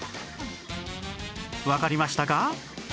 わかりましたか？